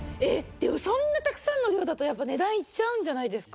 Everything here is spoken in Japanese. でもそんなたくさんの量だとやっぱ値段いっちゃうんじゃないですか？